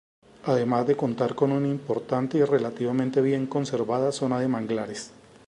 Además de contar con una importante y relativamente bien conservada zona de manglares.